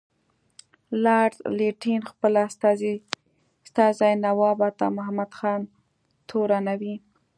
لارډ لیټن خپل استازی نواب عطامحمد خان تورنوي.